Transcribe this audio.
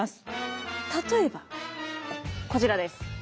例えばこちらです。